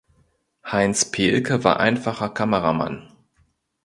Heinz Pehlke war einfacher Kameramann.